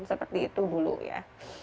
seperti itu dulu ya